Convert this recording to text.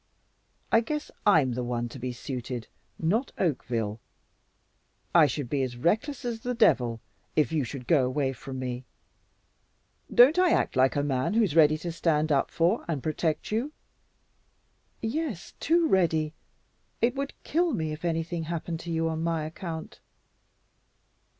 I guess I'm the one to be suited, not Oakville. I should be as reckless as the devil if you should go away from me. Don't I act like a man who's ready to stand up for and protect you?" "Yes, too ready. It would kill me if anything happened to you on my account."